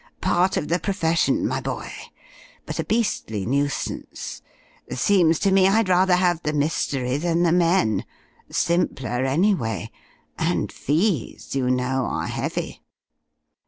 Part of the profession, my boy. But a beastly nuisance. Seems to me I'd rather have the mystery than the men. Simpler, anyway. And fees, you know, are heavy."